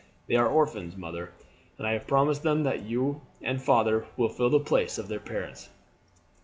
They are orphans, mother, and I have promised them that you and father will fill the place of their parents."